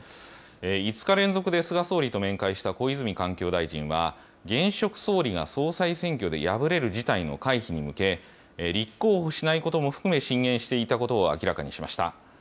５日連続で菅総理と面会した小泉環境大臣は、現職総理が総裁選挙で敗れる事態の回避に向け、立候補しないことも含め、進言していたことを明らかにしました。